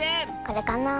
これかな？